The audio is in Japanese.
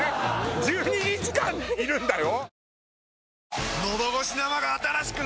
１２日間いるんだよ？